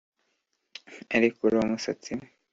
arekura umusatsi we